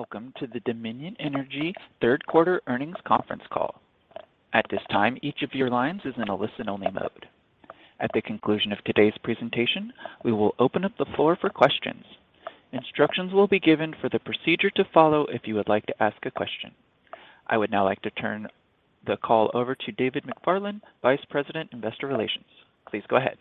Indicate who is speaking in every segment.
Speaker 1: Welcome to the Dominion Energy third quarter earnings conference call. At this time, each of your lines is in a listen-only mode. At the conclusion of today's presentation, we will open up the floor for questions. Instructions will be given for the procedure to follow if you would like to ask a question. I would now like to turn the call over to David McFarland, Vice President, Investor Relations. Please go ahead.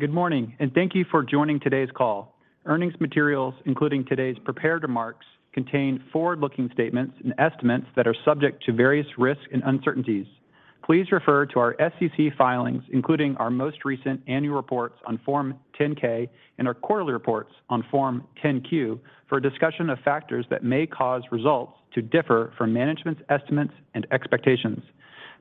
Speaker 2: Good morning, and thank you for joining today's call. Earnings materials, including today's prepared remarks, contain forward-looking statements and estimates that are subject to various risks and uncertainties. Please refer to our SEC filings, including our most recent annual reports on Form 10-K and our quarterly reports on Form 10-Q for a discussion of factors that may cause results to differ from management's estimates and expectations.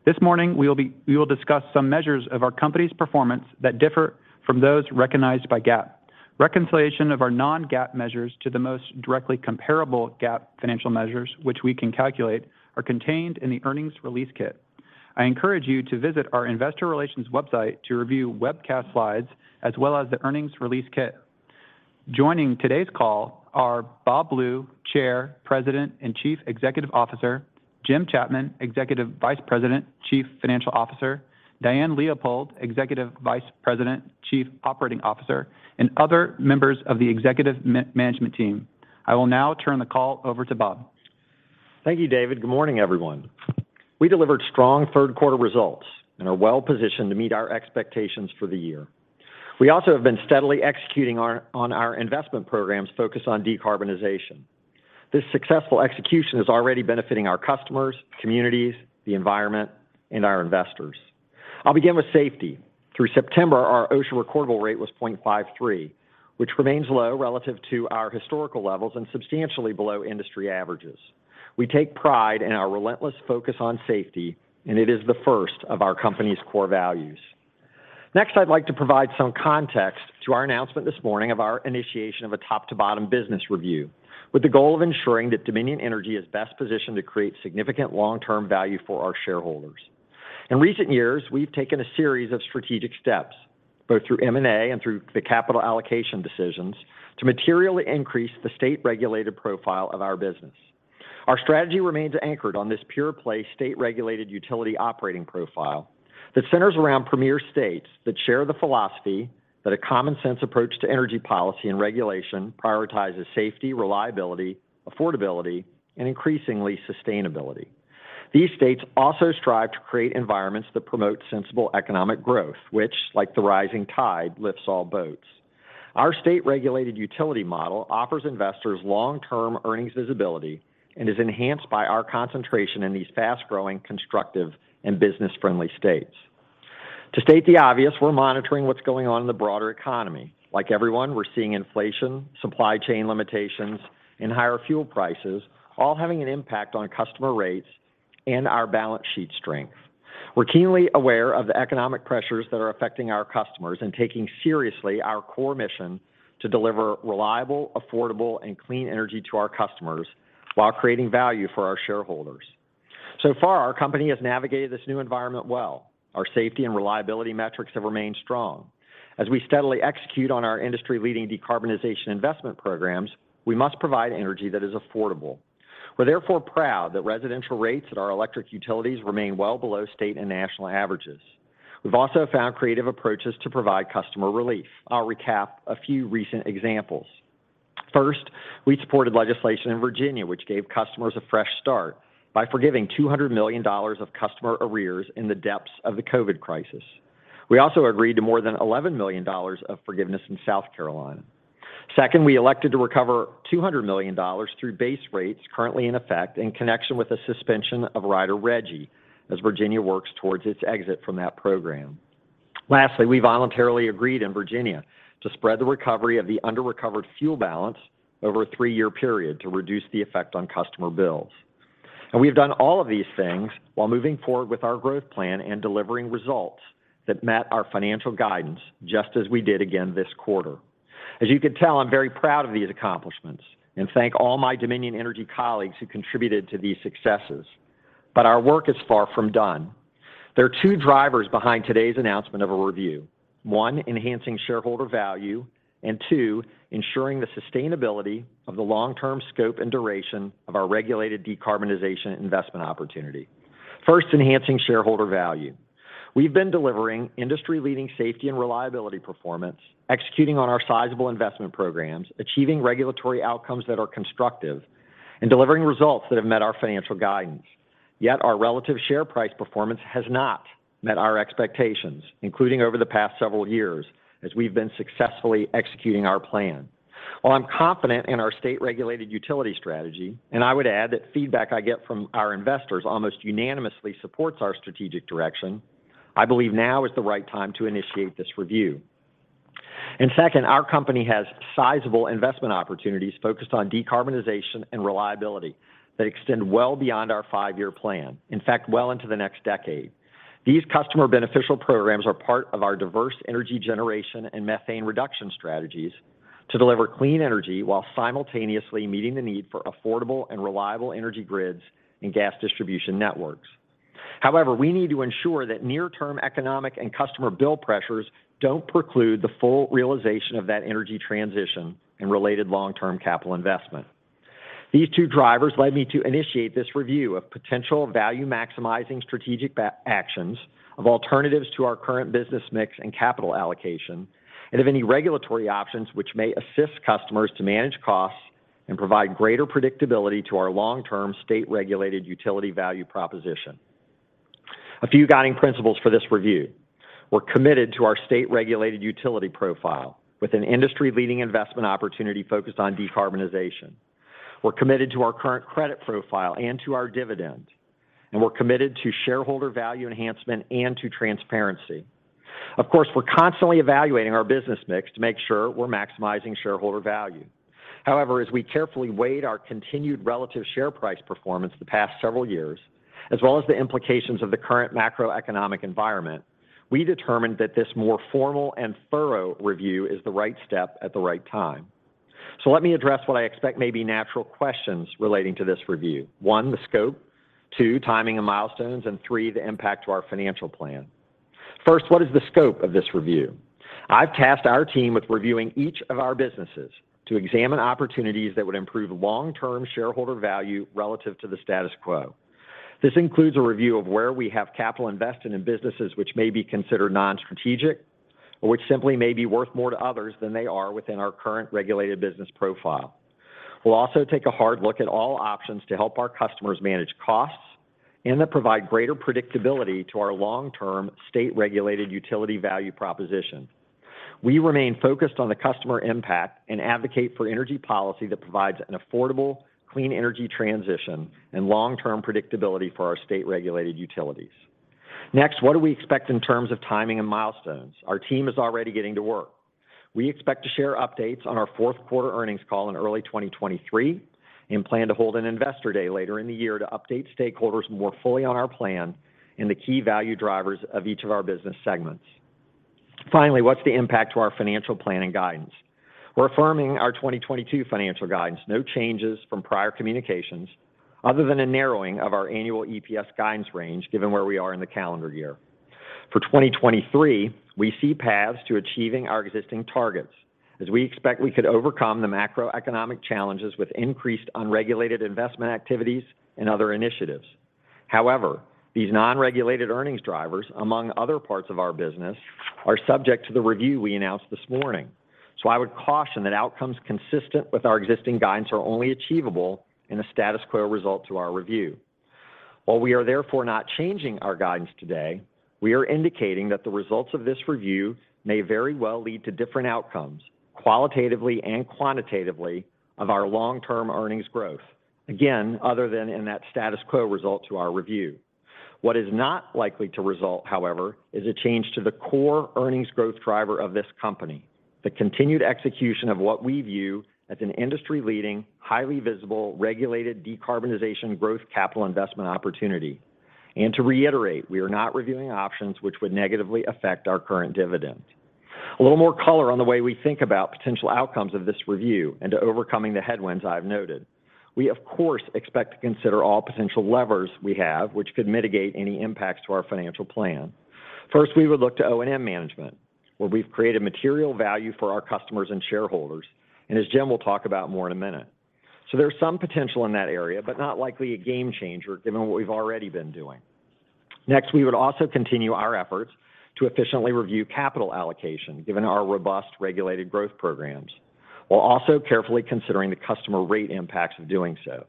Speaker 2: This morning, we will discuss some measures of our company's performance that differ from those recognized by GAAP. Reconciliation of our non-GAAP measures to the most directly comparable GAAP financial measures, which we can calculate, are contained in the earnings release kit. I encourage you to visit our investor relations website to review webcast slides as well as the earnings release kit. Joining today's call are Bob Blue, Chair, President, and Chief Executive Officer, Jim Chapman, Executive Vice President, Chief Financial Officer, Diane Leopold, Executive Vice President, Chief Operating Officer, and other members of the executive management team. I will now turn the call over to Bob.
Speaker 3: Thank you, David. Good morning, everyone. We delivered strong third quarter results and are well-positioned to meet our expectations for the year. We also have been steadily executing on our investment programs focused on decarbonization. This successful execution is already benefiting our customers, communities, the environment, and our investors. I'll begin with safety. Through September, our OSHA recordable rate was 0.53, which remains low relative to our historical levels and substantially below industry averages. We take pride in our relentless focus on safety, and it is the first of our company's core values. Next, I'd like to provide some context to our announcement this morning of our initiation of a top-to-bottom business review with the goal of ensuring that Dominion Energy is best positioned to create significant long-term value for our shareholders. In recent years, we've taken a series of strategic steps, both through M&A and through the capital allocation decisions to materially increase the state-regulated profile of our business. Our strategy remains anchored on this pure play state-regulated utility operating profile that centers around premier states that share the philosophy that a common sense approach to energy policy and regulation prioritizes safety, reliability, affordability, and increasingly, sustainability. These states also strive to create environments that promote sensible economic growth, which, like the rising tide, lifts all boats. Our state-regulated utility model offers investors long-term earnings visibility and is enhanced by our concentration in these fast-growing, constructive, and business-friendly states. To state the obvious, we're monitoring what's going on in the broader economy. Like everyone, we're seeing inflation, supply chain limitations, and higher fuel prices, all having an impact on customer rates and our balance sheet strength. We're keenly aware of the economic pressures that are affecting our customers and taking seriously our core mission to deliver reliable, affordable, and clean energy to our customers while creating value for our shareholders. Our company has navigated this new environment well. Our safety and reliability metrics have remained strong. As we steadily execute on our industry-leading decarbonization investment programs, we must provide energy that is affordable. We're therefore proud that residential rates at our electric utilities remain well below state and national averages. We've also found creative approaches to provide customer relief. I'll recap a few recent examples. First, we supported legislation in Virginia, which gave customers a fresh start by forgiving $200 million of customer arrears in the depths of the COVID crisis. We also agreed to more than $11 million of forgiveness in South Carolina. Second, we elected to recover $200 million through base rates currently in effect in connection with the suspension of Rider RGGI as Virginia works towards its exit from that program. Lastly, we voluntarily agreed in Virginia to spread the recovery of the under-recovered fuel balance over a three-year period to reduce the effect on customer bills. We have done all of these things while moving forward with our growth plan and delivering results that met our financial guidance, just as we did again this quarter. As you can tell, I'm very proud of these accomplishments and thank all my Dominion Energy colleagues who contributed to these successes. Our work is far from done. There are two drivers behind today's announcement of a review. One, enhancing shareholder value, and two, ensuring the sustainability of the long-term scope and duration of our regulated decarbonization investment opportunity. First, enhancing shareholder value. We've been delivering industry-leading safety and reliability performance, executing on our sizable investment programs, achieving regulatory outcomes that are constructive, and delivering results that have met our financial guidance. Yet our relative share price performance has not met our expectations, including over the past several years, as we've been successfully executing our plan. While I'm confident in our state-regulated utility strategy, and I would add that feedback I get from our investors almost unanimously supports our strategic direction, I believe now is the right time to initiate this review. Second, our company has sizable investment opportunities focused on decarbonization and reliability that extend well beyond our five-year plan. In fact, well into the next decade. These customer beneficial programs are part of our diverse energy generation and methane reduction strategies to deliver clean energy while simultaneously meeting the need for affordable and reliable energy grids and gas distribution networks. However, we need to ensure that near-term economic and customer bill pressures don't preclude the full realization of that energy transition and related long-term capital investment. These two drivers led me to initiate this review of potential value-maximizing strategic actions or alternatives to our current business mix and capital allocation, and of any regulatory options which may assist customers to manage costs and provide greater predictability to our long-term state-regulated utility value proposition. A few guiding principles for this review. We're committed to our state-regulated utility profile with an industry-leading investment opportunity focused on decarbonization. We're committed to our current credit profile and to our dividend. We're committed to shareholder value enhancement and to transparency. Of course, we're constantly evaluating our business mix to make sure we're maximizing shareholder value. However, as we carefully weighed our continued relative share price performance the past several years, as well as the implications of the current macroeconomic environment, we determined that this more formal and thorough review is the right step at the right time. Let me address what I expect may be natural questions relating to this review. One, the scope. Two, timing and milestones. Three, the impact to our financial plan. First, what is the scope of this review? I've tasked our team with reviewing each of our businesses to examine opportunities that would improve long-term shareholder value relative to the status quo. This includes a review of where we have capital invested in businesses which may be considered non-strategic or which simply may be worth more to others than they are within our current regulated business profile. We'll also take a hard look at all options to help our customers manage costs and that provide greater predictability to our long-term state-regulated utility value proposition. We remain focused on the customer impact and advocate for energy policy that provides an affordable, clean energy transition and long-term predictability for our state-regulated utilities. Next, what do we expect in terms of timing and milestones? Our team is already getting to work. We expect to share updates on our fourth quarter earnings call in early 2023 and plan to hold an Investor Day later in the year to update stakeholders more fully on our plan and the key value drivers of each of our business segments. Finally, what's the impact to our financial plan and guidance? We're affirming our 2022 financial guidance. No changes from prior communications other than a narrowing of our annual EPS guidance range given where we are in the calendar year. For 2023, we see paths to achieving our existing targets as we expect we could overcome the macroeconomic challenges with increased unregulated investment activities and other initiatives. However, these non-regulated earnings drivers, among other parts of our business, are subject to the review we announced this morning. I would caution that outcomes consistent with our existing guidance are only achievable in a status quo result to our review. While we are therefore not changing our guidance today, we are indicating that the results of this review may very well lead to different outcomes, qualitatively and quantitatively, of our long-term earnings growth. Again, other than in that status quo result to our review. What is not likely to result, however, is a change to the core earnings growth driver of this company, the continued execution of what we view as an industry-leading, highly visible, regulated decarbonization growth capital investment opportunity. To reiterate, we are not reviewing options which would negatively affect our current dividend. A little more color on the way we think about potential outcomes of this review and to overcoming the headwinds I've noted. We, of course, expect to consider all potential levers we have which could mitigate any impacts to our financial plan. First, we would look to O&M management, where we've created material value for our customers and shareholders, and as Jim will talk about more in a minute. There's some potential in that area, but not likely a game changer given what we've already been doing. Next, we would also continue our efforts to efficiently review capital allocation, given our robust regulated growth programs, while also carefully considering the customer rate impacts of doing so.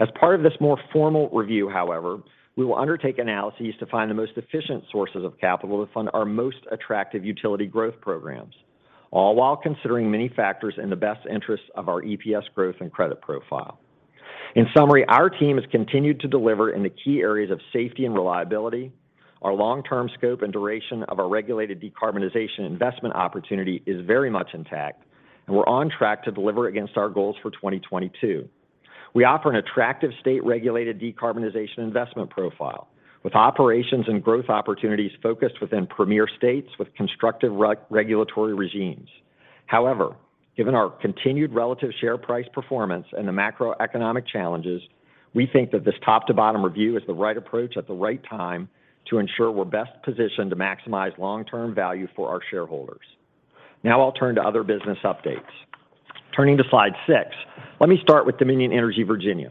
Speaker 3: As part of this more formal review, however, we will undertake analyses to find the most efficient sources of capital to fund our most attractive utility growth programs, all while considering many factors in the best interests of our EPS growth and credit profile. In summary, our team has continued to deliver in the key areas of safety and reliability. Our long-term scope and duration of our regulated decarbonization investment opportunity is very much intact, and we're on track to deliver against our goals for 2022. We offer an attractive state-regulated decarbonization investment profile with operations and growth opportunities focused within premier states with constructive regulatory regimes. However, given our continued relative share price performance and the macroeconomic challenges, we think that this top-to-bottom review is the right approach at the right time to ensure we're best positioned to maximize long-term value for our shareholders. Now I'll turn to other business updates. Turning to slide six, let me start with Dominion Energy Virginia.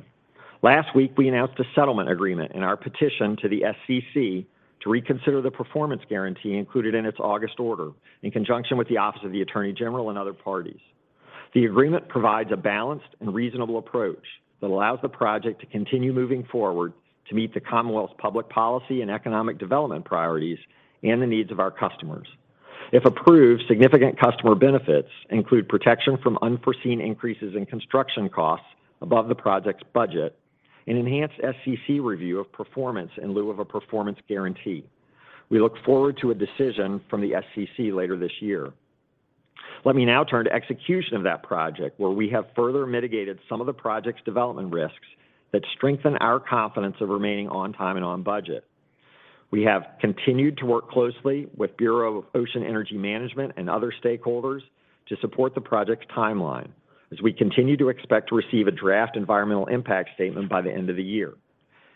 Speaker 3: Last week, we announced a settlement agreement in our petition to the SEC to reconsider the performance guarantee included in its August order in conjunction with the Office of the Attorney General and other parties. The agreement provides a balanced and reasonable approach that allows the project to continue moving forward to meet the Commonwealth's public policy and economic development priorities and the needs of our customers. If approved, significant customer benefits include protection from unforeseen increases in construction costs above the project's budget and enhanced SEC review of performance in lieu of a performance guarantee. We look forward to a decision from the SEC later this year. Let me now turn to execution of that project, where we have further mitigated some of the project's development risks that strengthen our confidence in remaining on time and on budget. We have continued to work closely with Bureau of Ocean Energy Management and other stakeholders to support the project's timeline as we continue to expect to receive a draft environmental impact statement by the end of the year,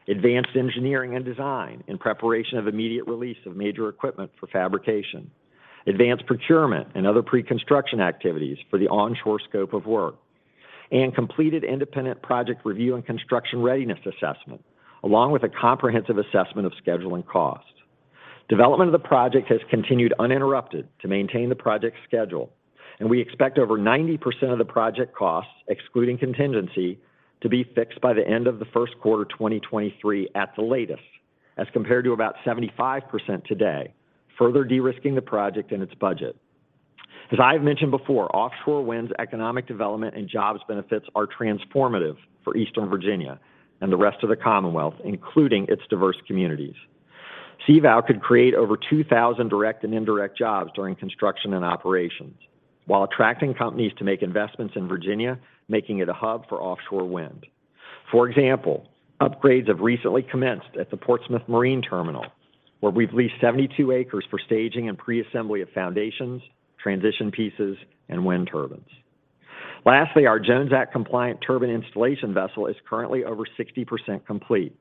Speaker 3: advanced engineering and design in preparation for immediate release of major equipment for fabrication, advanced procurement and other pre-construction activities for the onshore scope of work, and completed independent project review and construction readiness assessment, along with a comprehensive assessment of schedule and cost. Development of the project has continued uninterrupted to maintain the project's schedule, and we expect over 90% of the project costs, excluding contingency, to be fixed by the end of the first quarter 2023 at the latest, as compared to about 75% today, further de-risking the project and its budget. As I have mentioned before, offshore wind's economic development and jobs benefits are transformative for Eastern Virginia and the rest of the Commonwealth, including its diverse communities. CVOW could create over 2,000 direct and indirect jobs during construction and operations while attracting companies to make investments in Virginia, making it a hub for offshore wind. For example, upgrades have recently commenced at the Portsmouth Marine Terminal, where we've leased 72 acres for staging and pre-assembly of foundations, transition pieces and wind turbines. Lastly, our Jones Act-compliant turbine installation vessel is currently over 60% complete.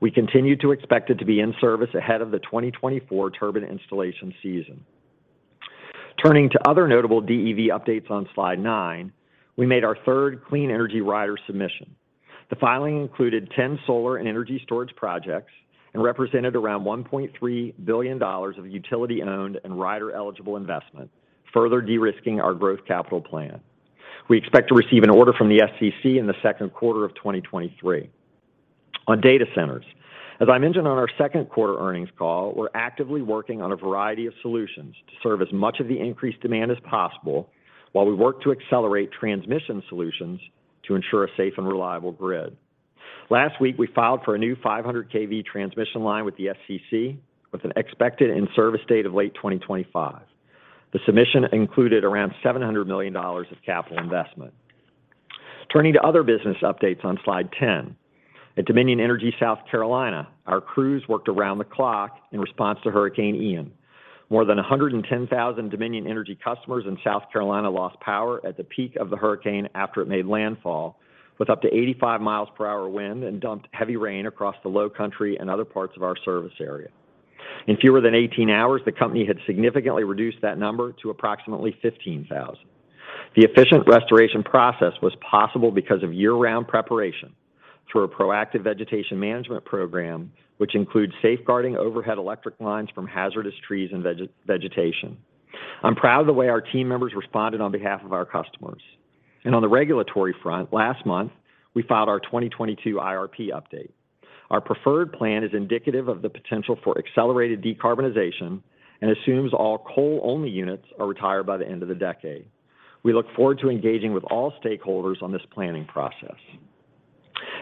Speaker 3: We continue to expect it to be in service ahead of the 2024 turbine installation season. Turning to other notable DEV updates on slide nine, we made our third clean energy rider submission. The filing included ten solar and energy storage projects and represented around $1.3 billion of utility-owned and rider-eligible investment, further de-risking our growth capital plan. We expect to receive an order from the SCC in the second quarter of 2023. On data centers, as I mentioned on our second quarter earnings call, we're actively working on a variety of solutions to serve as much of the increased demand as possible while we work to accelerate transmission solutions to ensure a safe and reliable grid. Last week, we filed for a new 500 kV transmission line with the SCC with an expected in-service date of late 2025. The submission included around $700 million of capital investment. Turning to other business updates on slide 10. At Dominion Energy South Carolina, our crews worked around the clock in response to Hurricane Ian. More than 110,000 Dominion Energy customers in South Carolina lost power at the peak of the hurricane after it made landfall with up to 85 mph wind and dumped heavy rain across the low country and other parts of our service area. In fewer than 18 hours, the company had significantly reduced that number to approximately 15,000. The efficient restoration process was possible because of year-round preparation through a proactive vegetation management program, which includes safeguarding overhead electric lines from hazardous trees and vegetation. I'm proud of the way our team members responded on behalf of our customers. On the regulatory front, last month, we filed our 2022 IRP update. Our preferred plan is indicative of the potential for accelerated decarbonization and assumes all coal-only units are retired by the end of the decade. We look forward to engaging with all stakeholders on this planning process.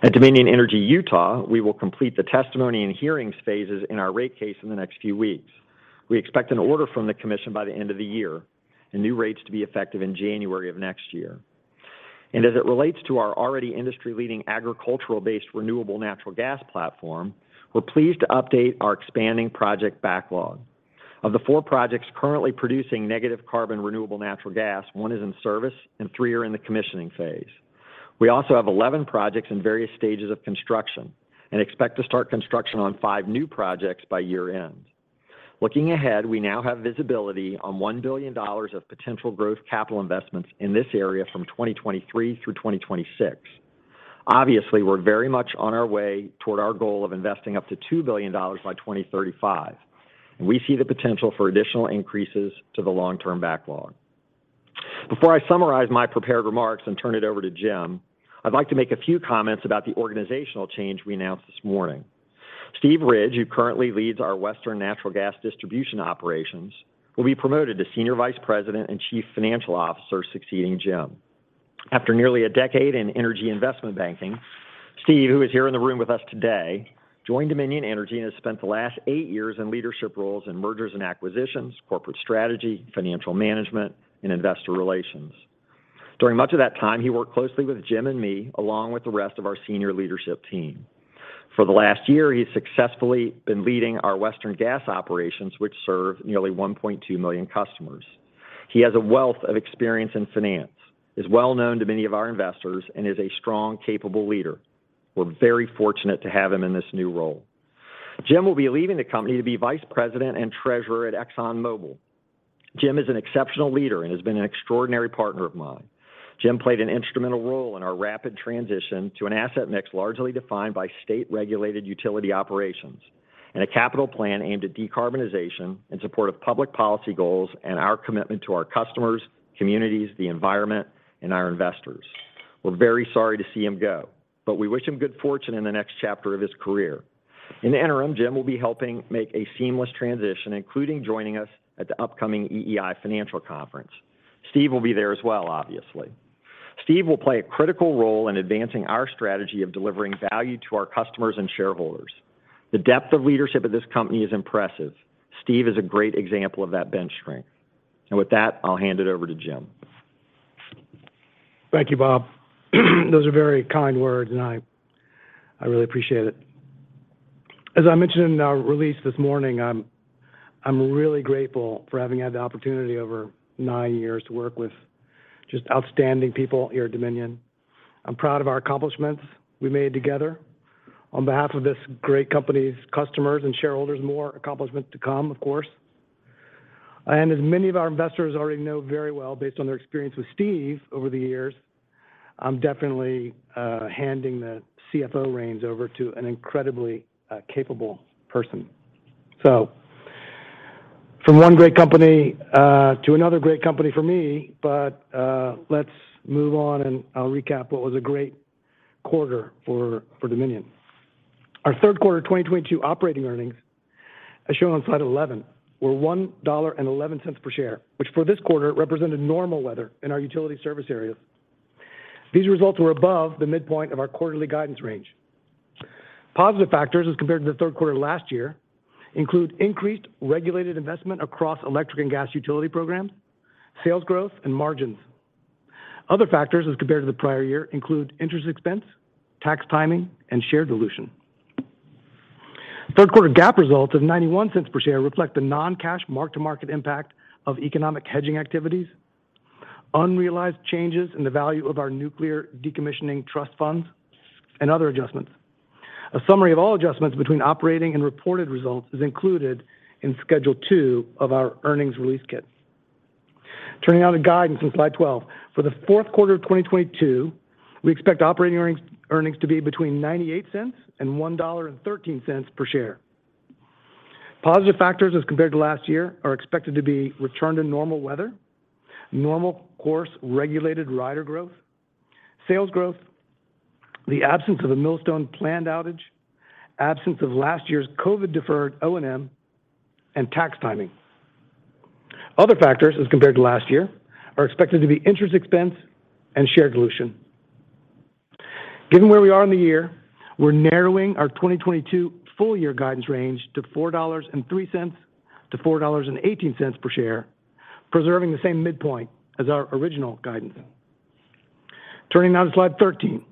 Speaker 3: At Dominion Energy Utah, we will complete the testimony and hearings phases in our rate case in the next few weeks. We expect an order from the commission by the end of the year and new rates to be effective in January of next year. As it relates to our already industry-leading agricultural-based renewable natural gas platform, we're pleased to update our expanding project backlog. Of the four projects currently producing negative carbon renewable natural gas, one is in service and three are in the commissioning phase. We also have 11 projects in various stages of construction and expect to start construction on five new projects by year-end. Looking ahead, we now have visibility on $1 billion of potential growth capital investments in this area from 2023 through 2026. Obviously, we're very much on our way toward our goal of investing up to $2 billion by 2035, and we see the potential for additional increases to the long-term backlog. Before I summarize my prepared remarks and turn it over to Jim, I'd like to make a few comments about the organizational change we announced this morning. Steven Ridge, who currently leads our Western natural gas distribution operations, will be promoted to Senior Vice President and Chief Financial Officer, succeeding Jim. After nearly a decade in energy investment banking, Steve, who is here in the room with us today, joined Dominion Energy and has spent the last eight years in leadership roles in mergers and acquisitions, corporate strategy, financial management, and investor relations. During much of that time, he worked closely with Jim and me, along with the rest of our senior leadership team. For the last year, he's successfully been leading our Western gas operations, which serve nearly 1.2 million customers. He has a wealth of experience in finance, is well known to many of our investors, and is a strong, capable leader. We're very fortunate to have him in this new role. Jim will be leaving the company to be Vice President and Treasurer at ExxonMobil. Jim is an exceptional leader and has been an extraordinary partner of mine. Jim played an instrumental role in our rapid transition to an asset mix largely defined by state-regulated utility operations and a capital plan aimed at decarbonization in support of public policy goals and our commitment to our customers, communities, the environment, and our investors. We're very sorry to see him go, but we wish him good fortune in the next chapter of his career. In the interim, Jim will be helping make a seamless transition, including joining us at the upcoming EEI Financial Conference. Steve will be there as well, obviously. Steve will play a critical role in advancing our strategy of delivering value to our customers and shareholders. The depth of leadership of this company is impressive. Steve is a great example of that bench strength. With that, I'll hand it over to Jim.
Speaker 4: Thank you, Bob. Those are very kind words, and I really appreciate it. As I mentioned in our release this morning, I'm really grateful for having had the opportunity over nine years to work with just outstanding people here at Dominion. I'm proud of our accomplishments we made together on behalf of this great company's customers and shareholders. More accomplishments to come, of course. As many of our investors already know very well based on their experience with Steve over the years, I'm definitely handing the CFO reins over to an incredibly capable person. From one great company to another great company for me. Let's move on, and I'll recap what was a great quarter for Dominion. Our third quarter 2022 operating earnings, as shown on slide 11, were $1.11 per share, which for this quarter represented normal weather in our utility service areas. These results were above the midpoint of our quarterly guidance range. Positive factors as compared to the third quarter last year include increased regulated investment across electric and gas utility programs, sales growth, and margins. Other factors as compared to the prior year include interest expense, tax timing, and share dilution. Third quarter GAAP results of $0.91 per share reflect the non-cash mark-to-market impact of economic hedging activities, unrealized changes in the value of our nuclear decommissioning trust funds, and other adjustments. A summary of all adjustments between operating and reported results is included in Schedule 2 of our earnings release kit. Turning now to guidance on slide 12. For the fourth quarter of 2022, we expect operating earnings to be between $0.98 and $1.13 per share. Positive factors as compared to last year are expected to be return to normal weather, normal course regulated rider growth, sales growth, the absence of a Millstone planned outage, absence of last year's COVID deferred O&M, and tax timing. Other factors as compared to last year are expected to be interest expense and share dilution. Given where we are in the year, we're narrowing our 2022 full year guidance range to $4.03-$4.18 per share, preserving the same midpoint as our original guidance. Turning now to slide 13.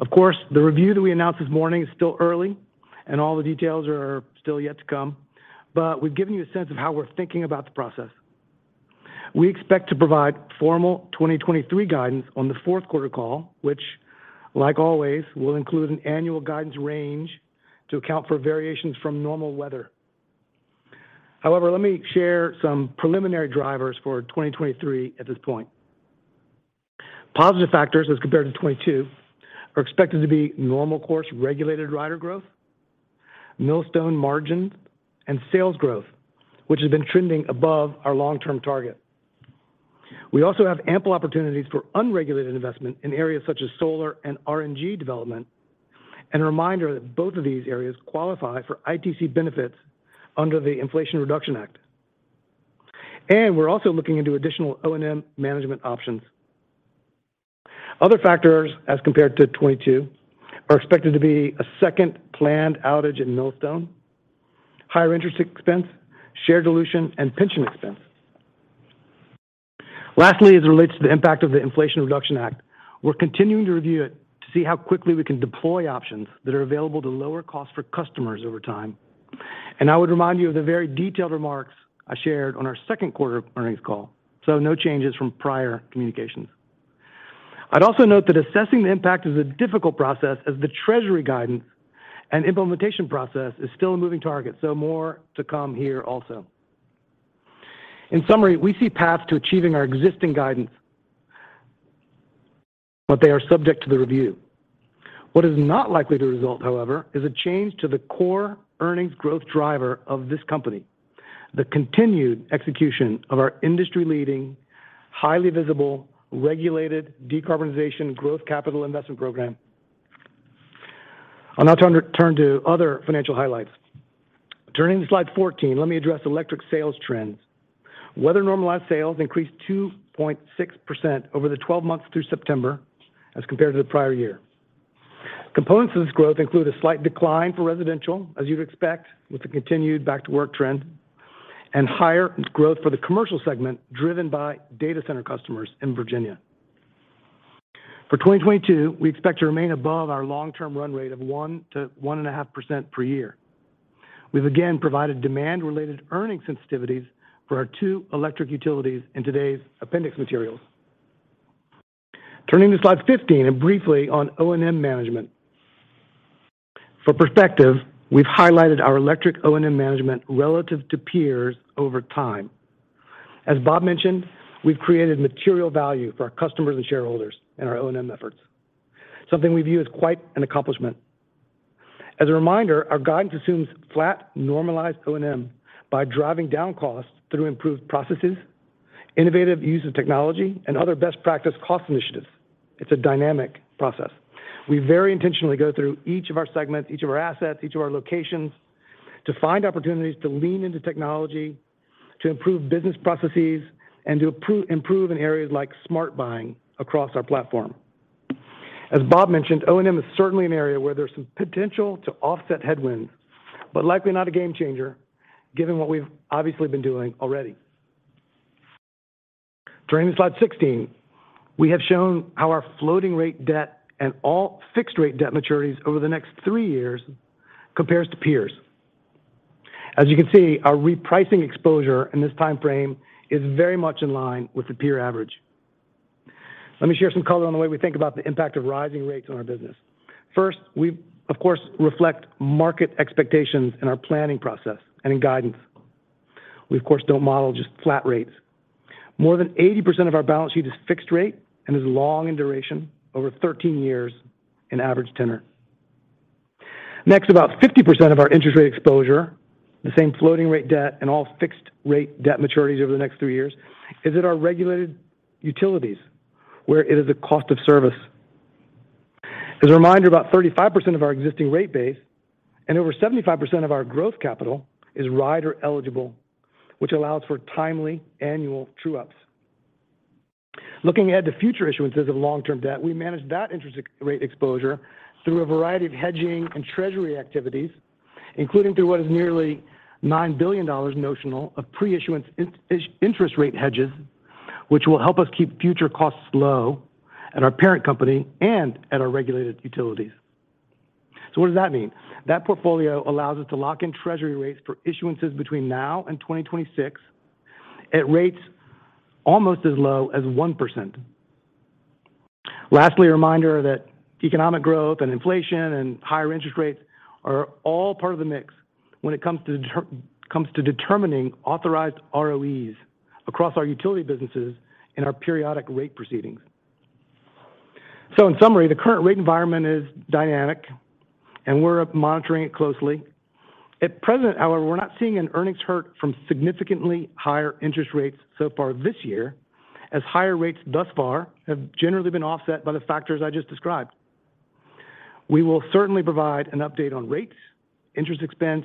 Speaker 4: Of course, the review that we announced this morning is still early and all the details are still yet to come, but we've given you a sense of how we're thinking about the process. We expect to provide formal 2023 guidance on the fourth quarter call, which, like always, will include an annual guidance range to account for variations from normal weather. However, let me share some preliminary drivers for 2023 at this point. Positive factors as compared to 2022 are expected to be normal course regulated rider growth, Millstone margins, and sales growth, which has been trending above our long-term target. We also have ample opportunities for unregulated investment in areas such as solar and RNG development, and a reminder that both of these areas qualify for ITC benefits under the Inflation Reduction Act. We're also looking into additional O&M management options. Other factors as compared to 2022 are expected to be a second planned outage at Millstone, higher interest expense, share dilution, and pension expense. Lastly, as it relates to the impact of the Inflation Reduction Act, we're continuing to review it to see how quickly we can deploy options that are available to lower costs for customers over time. I would remind you of the very detailed remarks I shared on our second quarter earnings call, so no changes from prior communications. I'd also note that assessing the impact is a difficult process as the Treasury guidance and implementation process is still a moving target, so more to come here also. In summary, we see paths to achieving our existing guidance, but they are subject to the review. What is not likely to result, however, is a change to the core earnings growth driver of this company, the continued execution of our industry-leading, highly visible, regulated decarbonization growth capital investment program. I'll now turn to other financial highlights. Turning to slide 14, let me address electric sales trends. Weather normalized sales increased 2.6% over the 12 months through September as compared to the prior year. Components of this growth include a slight decline for residential, as you'd expect, with the continued back to work trend, and higher growth for the commercial segment driven by data center customers in Virginia. For 2022, we expect to remain above our long-term run rate of 1%-1.5% per year. We've again provided demand-related earnings sensitivities for our two electric utilities in today's appendix materials. Turning to slide 15 and briefly on O&M management. For perspective, we've highlighted our electric O&M management relative to peers over time. As Bob mentioned, we've created material value for our customers and shareholders in our O&M efforts, something we view as quite an accomplishment. As a reminder, our guidance assumes flat normalized O&M by driving down costs through improved processes, innovative use of technology, and other best practice cost initiatives. It's a dynamic process. We very intentionally go through each of our segments, each of our assets, each of our locations, to find opportunities to lean into technology, to improve business processes, and to improve in areas like smart buying across our platform. As Bob mentioned, O&M is certainly an area where there's some potential to offset headwinds, but likely not a game changer, given what we've obviously been doing already. Turning to slide 16, we have shown how our floating rate debt and all fixed rate debt maturities over the next three years compares to peers. As you can see, our repricing exposure in this timeframe is very much in line with the peer average. Let me share some color on the way we think about the impact of rising rates on our business. First, we of course reflect market expectations in our planning process and in guidance. We of course don't model just flat rates. More than 80% of our balance sheet is fixed rate and is long in duration, over 13 years in average tenor. Next, about 50% of our interest rate exposure, the same floating rate debt and all fixed rate debt maturities over the next three years, is in our regulated utilities, where it is a cost of service. As a reminder, about 35% of our existing rate base and over 75% of our growth capital is rider eligible, which allows for timely annual true-ups. Looking ahead to future issuances of long-term debt, we manage that interest rate exposure through a variety of hedging and treasury activities, including through what is nearly $9 billion notional of pre-issuance interest rate hedges, which will help us keep future costs low at our parent company and at our regulated utilities. What does that mean? That portfolio allows us to lock in treasury rates for issuances between now and 2026 at rates almost as low as 1%. Lastly, a reminder that economic growth and inflation and higher interest rates are all part of the mix when it comes to determining authorized ROEs across our utility businesses in our periodic rate proceedings. In summary, the current rate environment is dynamic, and we're monitoring it closely. At present, however, we're not seeing an earnings hurt from significantly higher interest rates so far this year, as higher rates thus far have generally been offset by the factors I just described. We will certainly provide an update on rates, interest expense,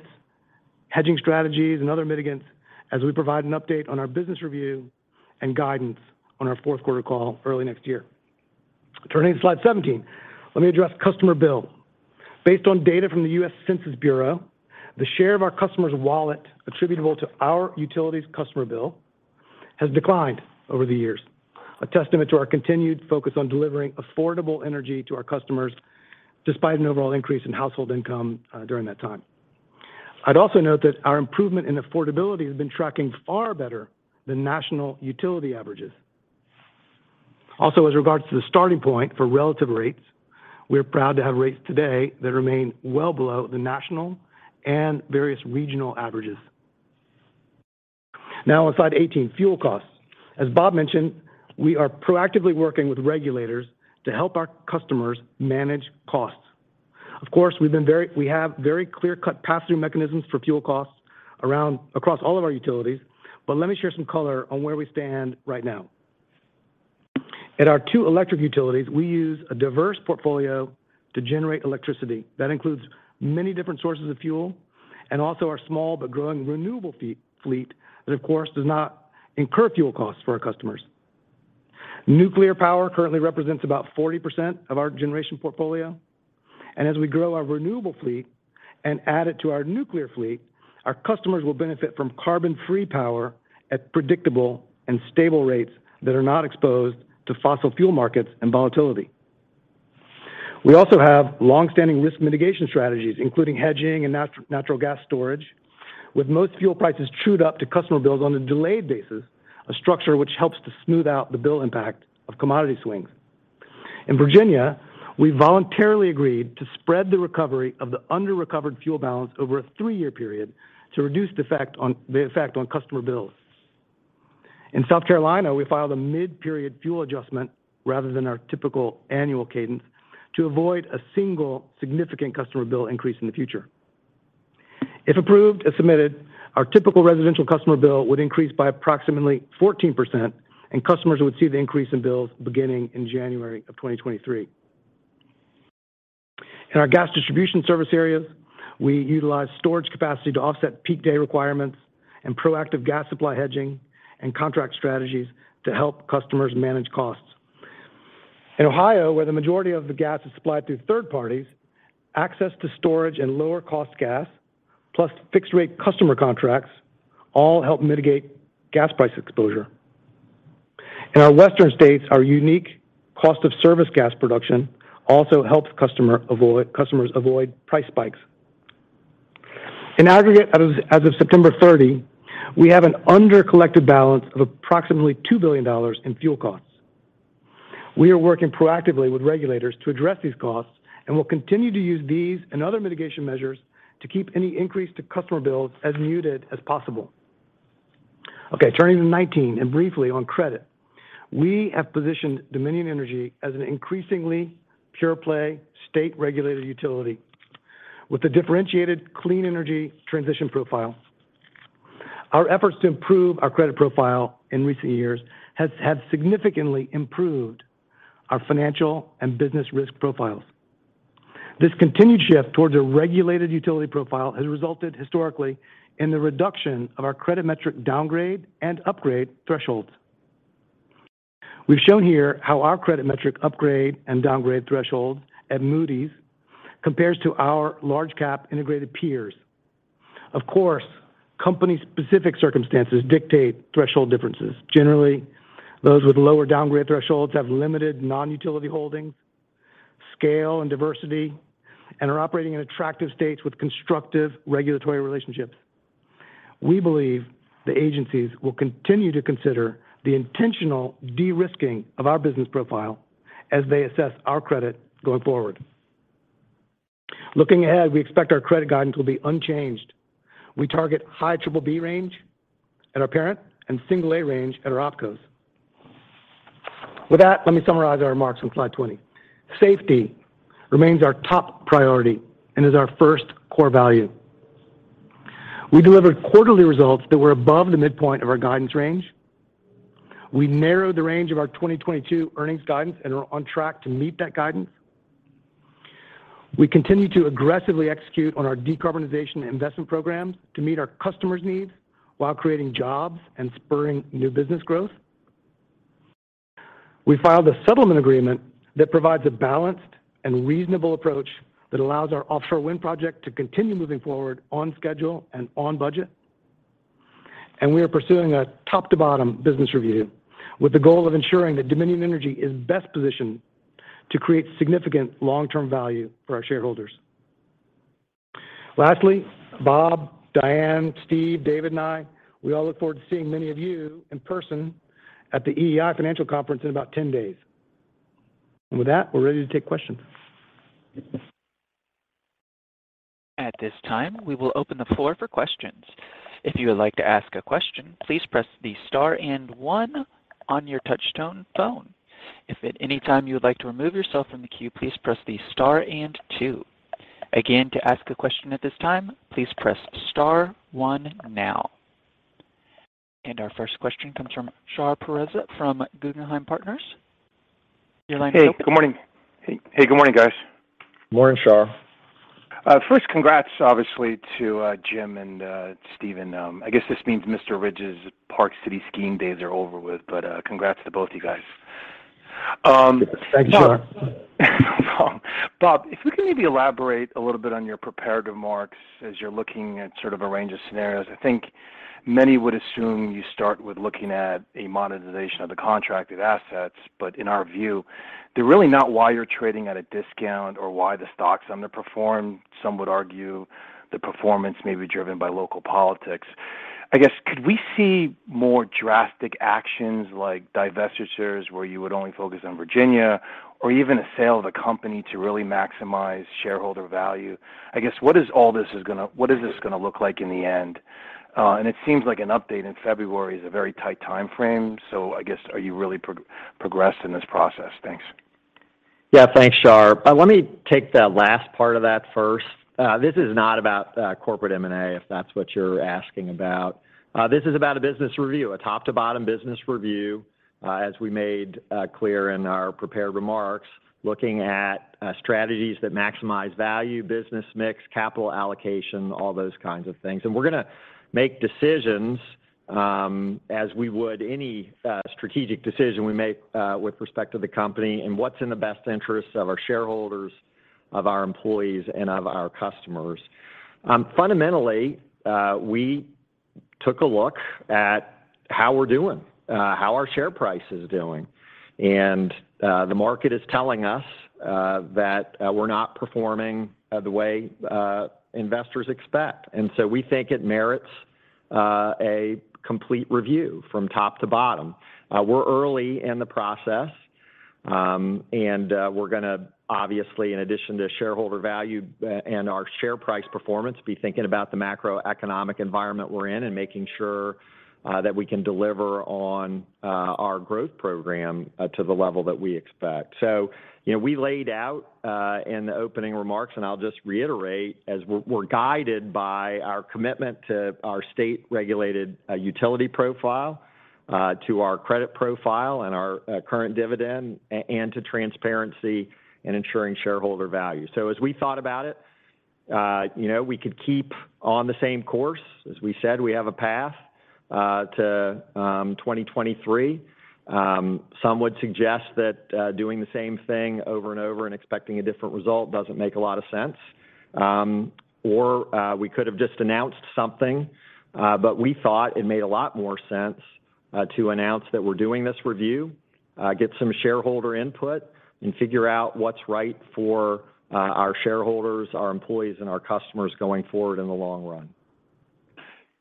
Speaker 4: hedging strategies, and other mitigants as we provide an update on our business review and guidance on our fourth quarter call early next year. Turning to slide 17, let me address customer bill. Based on data from the U.S. Census Bureau, the share of our customer's wallet attributable to our utilities customer bill has declined over the years, a testament to our continued focus on delivering affordable energy to our customers despite an overall increase in household income during that time. I'd also note that our improvement in affordability has been tracking far better than national utility averages. Also, with regards to the starting point for relative rates, we're proud to have rates today that remain well below the national and various regional averages. Now on slide 18, fuel costs. As Bob mentioned, we are proactively working with regulators to help our customers manage costs. Of course, we have very clear-cut pass-through mechanisms for fuel costs across all of our utilities, but let me share some color on where we stand right now. At our two electric utilities, we use a diverse portfolio to generate electricity. That includes many different sources of fuel and also our small but growing renewable fleet that, of course, does not incur fuel costs for our customers. Nuclear power currently represents about 40% of our generation portfolio. As we grow our renewable fleet and add it to our nuclear fleet, our customers will benefit from carbon-free power at predictable and stable rates that are not exposed to fossil fuel markets and volatility. We also have long-standing risk mitigation strategies, including hedging and natural gas storage, with most fuel prices trued up to customer bills on a delayed basis, a structure which helps to smooth out the bill impact of commodity swings. In Virginia, we voluntarily agreed to spread the recovery of the under-recovered fuel balance over a three-year period to reduce the effect on customer bills. In South Carolina, we filed a mid-period fuel adjustment rather than our typical annual cadence to avoid a single significant customer bill increase in the future. If approved as submitted, our typical residential customer bill would increase by approximately 14%, and customers would see the increase in bills beginning in January 2023. In our gas distribution service areas, we utilize storage capacity to offset peak day requirements and proactive gas supply hedging and contract strategies to help customers manage costs. In Ohio, where the majority of the gas is supplied through third parties, access to storage and lower-cost gas plus fixed-rate customer contracts all help mitigate gas price exposure. In our Western states, our unique cost of service gas production also helps customers avoid price spikes. In aggregate, as of September 30, we have an under-collected balance of approximately $2 billion in fuel costs. We are working proactively with regulators to address these costs and will continue to use these and other mitigation measures to keep any increase to customer bills as muted as possible. Okay, turning to 19 and briefly on credit. We have positioned Dominion Energy as an increasingly pure-play, state-regulated utility with a differentiated clean energy transition profile. Our efforts to improve our credit profile in recent years have significantly improved our financial and business risk profiles. This continued shift towards a regulated utility profile has resulted historically in the reduction of our credit metric downgrade and upgrade thresholds. We've shown here how our credit metric upgrade and downgrade thresholds at Moody's compares to our large cap integrated peers. Of course, company specific circumstances dictate threshold differences. Generally, those with lower downgrade thresholds have limited non-utility holdings, scale and diversity, and are operating in attractive states with constructive regulatory relationships. We believe the agencies will continue to consider the intentional de-risking of our business profile as they assess our credit going forward. Looking ahead, we expect our credit guidance will be unchanged. We target high triple-B range at our parent and single-A range at our opcos. With that, let me summarize our remarks on slide 20. Safety remains our top priority and is our first core value. We delivered quarterly results that were above the midpoint of our guidance range. We narrowed the range of our 2022 earnings guidance and are on track to meet that guidance. We continue to aggressively execute on our decarbonization investment programs to meet our customers' needs while creating jobs and spurring new business growth. We filed a settlement agreement that provides a balanced and reasonable approach that allows our offshore wind project to continue moving forward on schedule and on budget. We are pursuing a top to bottom business review with the goal of ensuring that Dominion Energy is best positioned to create significant long-term value for our shareholders. Lastly, Bob, Diane, Steve, David and I, we all look forward to seeing many of you in person at the EEI Financial Conference in about 10 days. With that, we're ready to take questions.
Speaker 1: At this time, we will open the floor for questions. If you would like to ask a question, please press the star and one on your touch-tone phone. If at any time you would like to remove yourself from the queue, please press the star and two. Again, to ask a question at this time, please press star one now. Our first question comes from Shar Pourreza from Guggenheim Partners. Your line is open.
Speaker 5: Hey. Good morning. Hey, good morning, guys.
Speaker 4: Morning, Shar.
Speaker 5: First congrats, obviously, to Jim and Steven. I guess this means Mr. Ridge's Park City skiing days are over with, but congrats to both you guys. Bob-
Speaker 4: Thanks, Shar.
Speaker 5: Bob, if you could maybe elaborate a little bit on your prepared remarks as you're looking at sort of a range of scenarios. I think many would assume you start with looking at a monetization of the contracted assets, but in our view, they're really not why you're trading at a discount or why the stock's underperformed. Some would argue the performance may be driven by local politics. I guess, could we see more drastic actions like divestitures where you would only focus on Virginia or even a sale of the company to really maximize shareholder value? I guess, what is this gonna look like in the end? It seems like an update in February is a very tight timeframe, so I guess are you really progressed in this process? Thanks.
Speaker 3: Yeah. Thanks, Shar. Let me take that last part of that first. This is not about corporate M&A, if that's what you're asking about. This is about a business review, a top to bottom business review, as we made clear in our prepared remarks, looking at strategies that maximize value, business mix, capital allocation, all those kinds of things. We're gonna make decisions, as we would any strategic decision we make, with respect to the company and what's in the best interest of our shareholders, of our employees, and of our customers. Fundamentally, we took a look at how we're doing, how our share price is doing, and the market is telling us that we're not performing the way investors expect. We think it merits a complete review from top to bottom. We're early in the process, and we're gonna, obviously, in addition to shareholder value and our share price performance, be thinking about the macroeconomic environment we're in and making sure that we can deliver on our growth program to the level that we expect. You know, we laid out in the opening remarks, and I'll just reiterate, as we're guided by our commitment to our state-regulated utility profile to our credit profile and our current dividend and to transparency and ensuring shareholder value. As we thought about it, you know, we could keep on the same course. As we said, we have a path to 2023. Some would suggest that doing the same thing over and over and expecting a different result doesn't make a lot of sense. We could have just announced something, but we thought it made a lot more sense to announce that we're doing this review, get some shareholder input, and figure out what's right for our shareholders, our employees, and our customers going forward in the long run.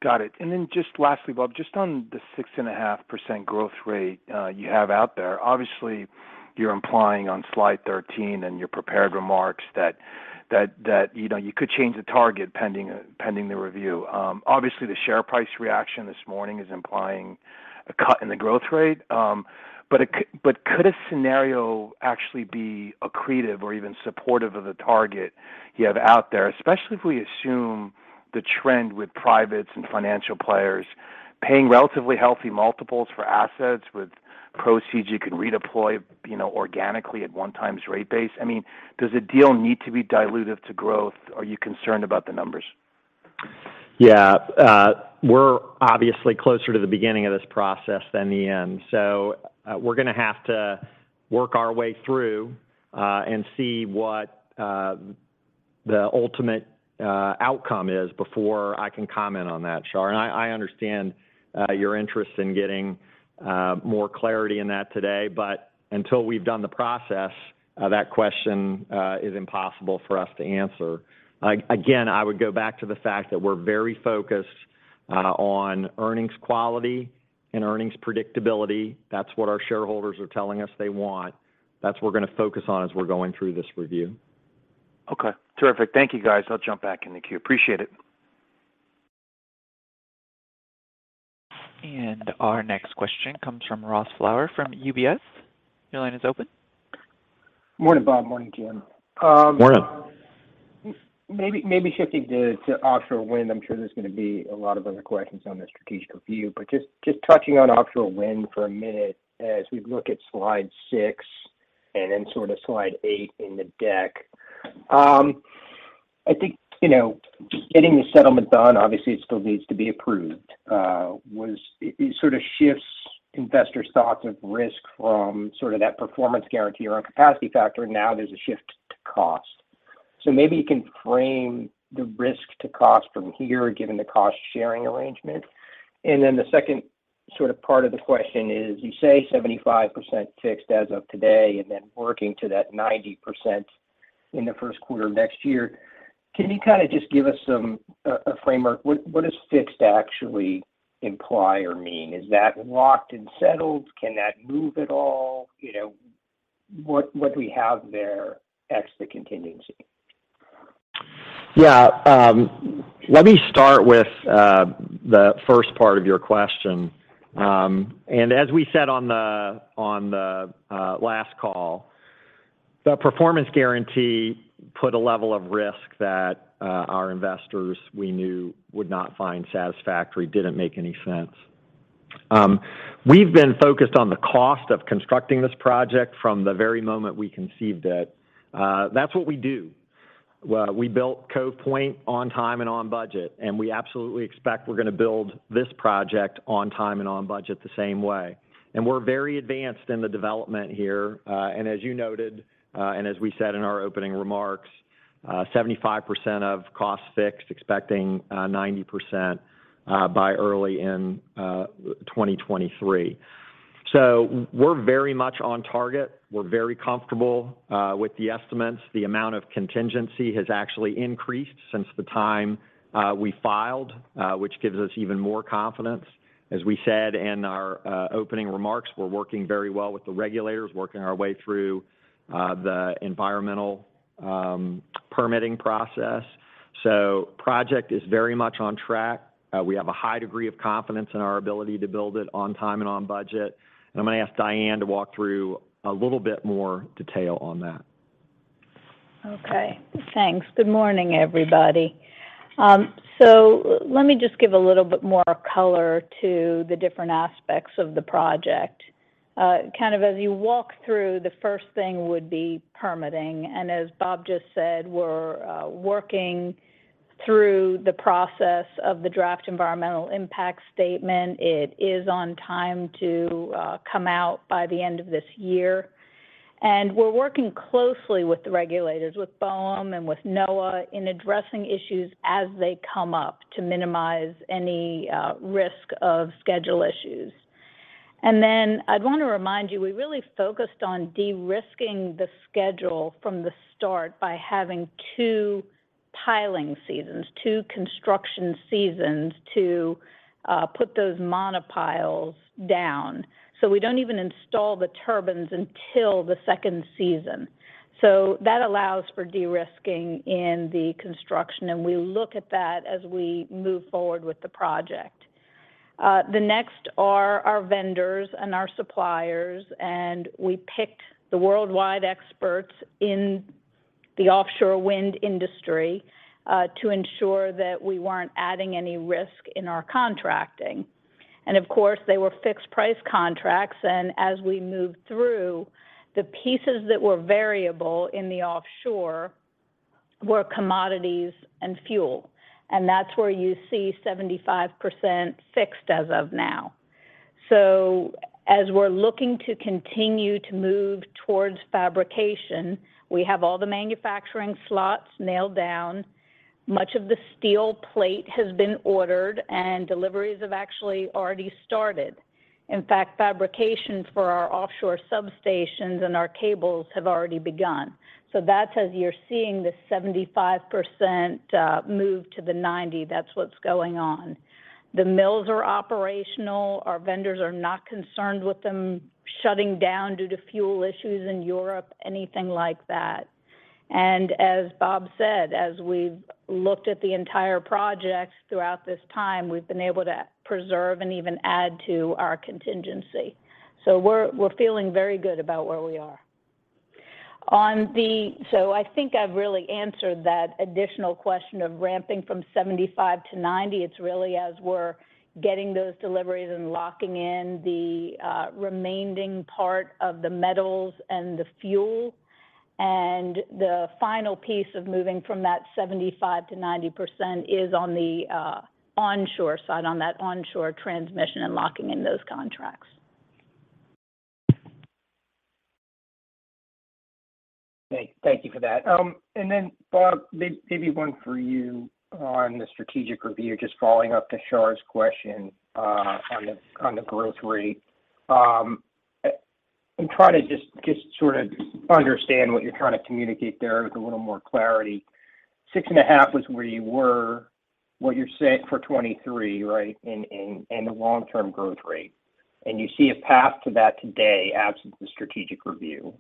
Speaker 5: Got it. Then just lastly, Bob, just on the 6.5% growth rate you have out there. Obviously, you're implying on slide 13 in your prepared remarks that that you know you could change the target pending the review. Obviously, the share price reaction this morning is implying a cut in the growth rate. Could a scenario actually be accretive or even supportive of the target you have out there? Especially if we assume the trend with privates and financial players paying relatively healthy multiples for assets with proceeds you can redeploy you know organically at 1x rate base. I mean, does a deal need to be dilutive to growth? Are you concerned about the numbers?
Speaker 3: Yeah. We're obviously closer to the beginning of this process than the end. We're gonna have to work our way through, and see what the ultimate outcome is before I can comment on that, Shar. I understand your interest in getting more clarity in that today, but until we've done the process, that question is impossible for us to answer. Again, I would go back to the fact that we're very focused on earnings quality and earnings predictability. That's what our shareholders are telling us they want. That's what we're gonna focus on as we're going through this review.
Speaker 5: Okay. Terrific. Thank you, guys. I'll jump back in the queue. Appreciate it.
Speaker 1: Our next question comes from Ross Fowler from UBS. Your line is open.
Speaker 6: Morning, Bob. Morning, Jim.
Speaker 3: Morning.
Speaker 6: Maybe shifting to offshore wind, I'm sure there's gonna be a lot of other questions on the strategic review, but just touching on offshore wind for a minute as we look at slide six and then sort of slide eight in the deck. I think, you know, just getting the settlement done, obviously it still needs to be approved, it sort of shifts investors' thoughts of risk from sort of that performance guarantee around capacity factor, now there's a shift to cost. Maybe you can frame the risk to cost from here given the cost-sharing arrangement. The second sort of part of the question is, you say 75% fixed as of today and then working to that 90% in the first quarter of next year. Can you kind of just give us a framework? What does fixed actually imply or mean? Is that locked and settled? Can that move at all? You know, what do we have there ex the contingency?
Speaker 3: Yeah. Let me start with the first part of your question. And as we said on the last call, the performance guarantee put a level of risk that our investors we knew would not find satisfactory, didn't make any sense. We've been focused on the cost of constructing this project from the very moment we conceived it. That's what we do. We built Cove Point on time and on budget, and we absolutely expect we're gonna build this project on time and on budget the same way. We're very advanced in the development here. And as you noted, and as we said in our opening remarks, 75% of cost fixed, expecting 90% by early in 2023. We're very much on target. We're very comfortable with the estimates. The amount of contingency has actually increased since the time we filed, which gives us even more confidence. As we said in our opening remarks, we're working very well with the regulators, working our way through the environmental permitting process. Project is very much on track. We have a high degree of confidence in our ability to build it on time and on budget. I'm gonna ask Diane to walk through a little bit more detail on that.
Speaker 7: Okay. Thanks. Good morning, everybody. Let me just give a little bit more color to the different aspects of the project. Kind of as you walk through, the first thing would be permitting. As Bob just said, we're working through the process of the draft environmental impact statement. It is on time to come out by the end of this year. We're working closely with the regulators, with BOEM and with NOAA, in addressing issues as they come up to minimize any risk of schedule issues. Then I'd want to remind you, we really focused on de-risking the schedule from the start by having two piling seasons, two construction seasons to put those monopiles down. We don't even install the turbines until the second season. That allows for de-risking in the construction, and we look at that as we move forward with the project. The next are our vendors and our suppliers, and we picked the worldwide experts in the offshore wind industry, to ensure that we weren't adding any risk in our contracting. And of course, they were fixed-price contracts, and as we moved through, the pieces that were variable in the offshore were commodities and fuel. And that's where you see 75% fixed as of now. As we're looking to continue to move towards fabrication, we have all the manufacturing slots nailed down. Much of the steel plate has been ordered, and deliveries have actually already started. In fact, fabrications for our offshore substations and our cables have already begun. That's as you're seeing the 75%, move to the 90%, that's what's going on. The mills are operational. Our vendors are not concerned with them shutting down due to fuel issues in Europe, anything like that. As Bob said, as we've looked at the entire project throughout this time, we've been able to preserve and even add to our contingency. We're feeling very good about where we are. I think I've really answered that additional question of ramping from 75%-90%. It's really as we're getting those deliveries and locking in the remaining part of the metals and the fuel. The final piece of moving from that 75%-90% is on the onshore side, on that onshore transmission and locking in those contracts.
Speaker 6: Okay. Thank you for that. Bob, maybe one for you on the strategic review, just following up to Shar's question, on the growth rate. I'm trying to just sort of understand what you're trying to communicate there with a little more clarity. 6.5% was where you were, what you're saying for 2023, right? In the long-term growth rate. You see a path to that today absent the strategic review.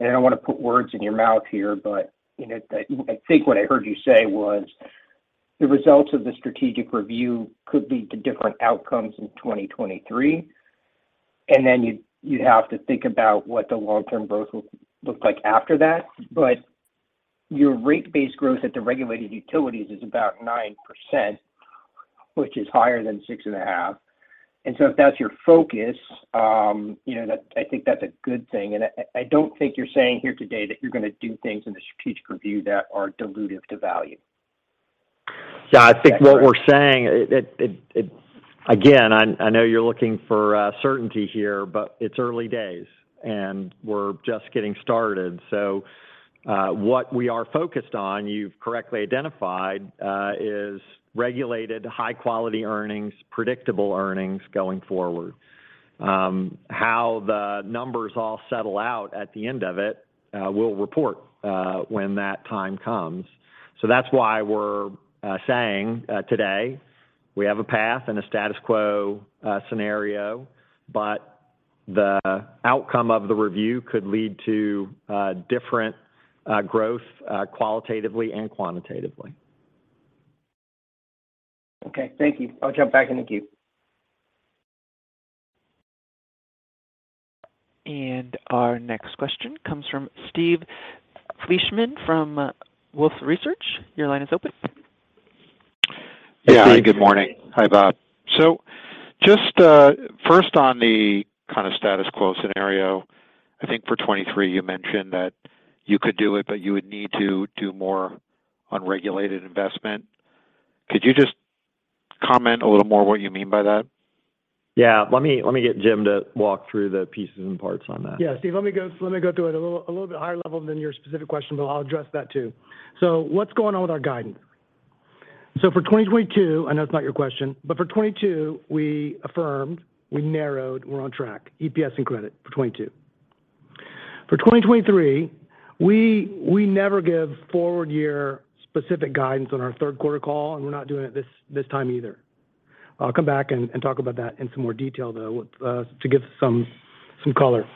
Speaker 6: I don't want to put words in your mouth here, but, you know, I think what I heard you say was the results of the strategic review could lead to different outcomes in 2023. You have to think about what the long-term growth will look like after that. Your rate-based growth at the regulated utilities is about 9%, which is higher than 6.5%. If that's your focus, you know, I think that's a good thing. I don't think you're saying here today that you're gonna do things in the strategic review that are dilutive to value.
Speaker 3: Yeah, I think what we're saying it. Again, I know you're looking for certainty here, but it's early days and we're just getting started. What we are focused on, you've correctly identified, is regulated high-quality earnings, predictable earnings going forward. How the numbers all settle out at the end of it, we'll report when that time comes. That's why we're saying today we have a path and a status quo scenario, but the outcome of the review could lead to different growth qualitatively and quantitatively.
Speaker 6: Okay. Thank you. I'll jump back in the queue.
Speaker 1: Our next question comes from Steve Fleishman from Wolfe Research. Your line is open.
Speaker 8: Yeah. Good morning. Hi, Bob. Just first on the kind of status quo scenario, I think for 2023 you mentioned that you could do it, but you would need to do more unregulated investment. Could you just comment a little more what you mean by that?
Speaker 3: Yeah. Let me get Jim to walk through the pieces and parts on that.
Speaker 4: Yeah. Steve, let me go through it a little bit higher level than your specific question, but I'll address that too. What's going on with our guidance? For 2022, I know it's not your question, but for 2022 we affirmed, we narrowed, we're on track, EPS and credit for 2022. For 2023, we never give forward year specific guidance on our third quarter call, and we're not doing it this time either. I'll come back and talk about that in some more detail, though, to give some color.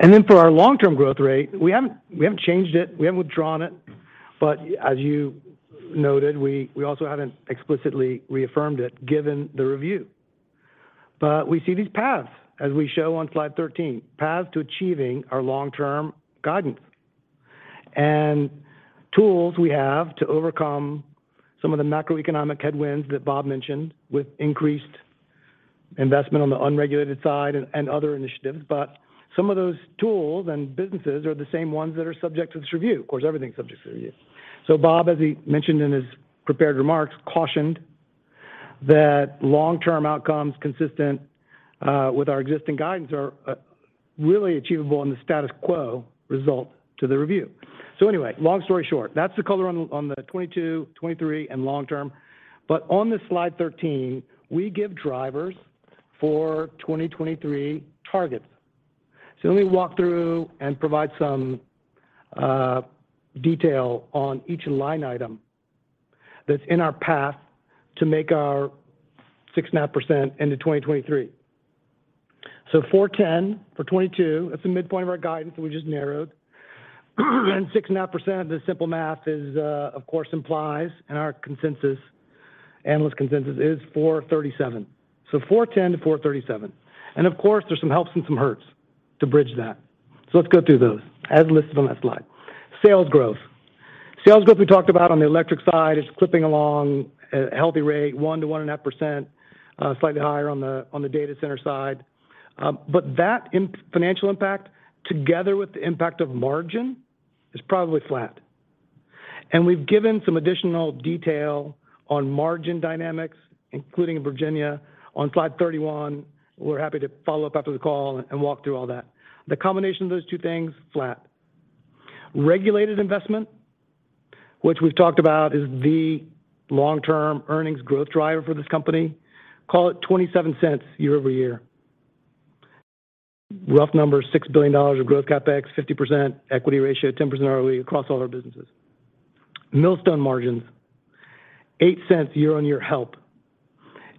Speaker 4: For our long-term growth rate, we haven't changed it, we haven't withdrawn it. As you noted, we also haven't explicitly reaffirmed it given the review. We see these paths as we show on slide 13, paths to achieving our long-term guidance. Tools we have to overcome some of the macroeconomic headwinds that Bob mentioned with increased investment on the unregulated side and other initiatives. Some of those tools and businesses are the same ones that are subject to this review. Of course, everything's subject to the review. Bob, as he mentioned in his prepared remarks, cautioned that long-term outcomes consistent with our existing guidance are really achievable in the status quo result to the review. Anyway, long story short, that's the color on the 2022, 2023 and long-term. On this slide 13, we give drivers for 2023 targets. Let me walk through and provide some detail on each line item that's in our path to make our 6.5% into 2023. $4.10 for 2022, that's the midpoint of our guidance we just narrowed. 6.5% of the simple math is, of course, implies, and our consensus, analyst consensus is $4.37. So $4.10-$4.37. Of course there's some helps and some hurts to bridge that. Let's go through those as listed on that slide. Sales growth. Sales growth we talked about on the electric side is clipping along a healthy rate, 1%-1.5%, slightly higher on the data center side. But that financial impact together with the impact of margin is probably flat. We've given some additional detail on margin dynamics, including in Virginia on slide 31. We're happy to follow up after the call and walk through all that. The combination of those two things, flat. Regulated investment, which we've talked about is the long-term earnings growth driver for this company. Call it $0.27 year-over-year. Rough numbers, $6 billion of growth CapEx, 50% equity ratio, 10% ROE across all our businesses. Millstone margins, $0.08 year-over-year help.